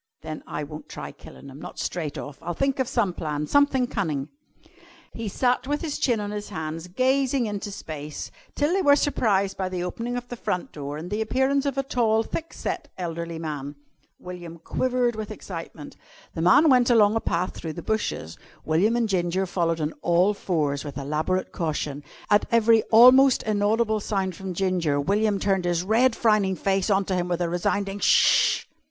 "Then I won't try killin' him not straight off. I'll think of some plan somethin' cunnin'." [Illustration: WILLIAM AND GINGER FOLLOWED ON ALL FOURS WITH ELABORATE CAUTION.] He sat with his chin on his hands, gazing into space, till they were surprised by the opening of the front door and the appearance of a tall, thick set, elderly man. William quivered with excitement. The man went along a path through the bushes. William and Ginger followed on all fours with elaborate caution. At every almost inaudible sound from Ginger, William turned his red, frowning face on to him with a resounding "Sh!"